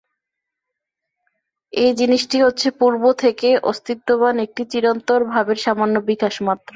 এই জিনিষটি হচ্ছে পূর্ব থেকে অস্তিত্ববান একটি চিরন্তন ভাবের সামান্য বিকাশমাত্র।